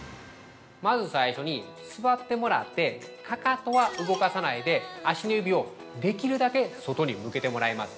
まず最初に、座ってもらってかかとは動かさないで、足の指をできるだけ外に向けてもらいます。